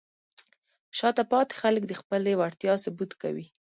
شاته پاتې خلک د خپلې وړتیا ثبوت کوي.